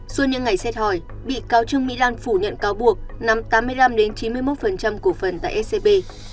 suốt những ngày xét hỏi bị cáo trương mỹ lan phủ nhận cáo buộc nắm tám mươi năm chín mươi một cổ phần tại scb